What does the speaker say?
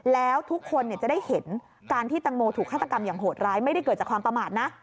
แล้วทุกคนจะได้เห็นการที่ตังโมถูกฆาตกรรมอย่างโหดร้ายไม่ได้เกิดจากความประมาทนะ